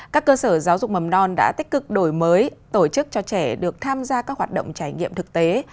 các cơ sở giáo dục mầm non đã tích cực đổi mới tổ chức cho trẻ được tham gia các hoạt động trải nghiệm thực tế